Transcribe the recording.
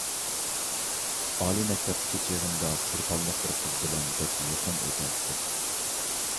ئالىي مەكتەپتىكى چېغىمدا تۇرپانلىق بىر قىز بىلەن بەك يېقىن ئۆتەتتۇق.